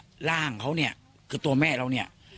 คุณสังเงียมต้องตายแล้วคุณสังเงียม